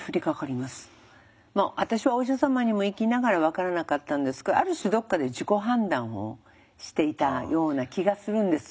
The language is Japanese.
私はお医者様にも行きながら分からなかったんですがある種どっかで自己判断をしていたような気がするんですよ。